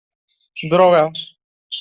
Drogues.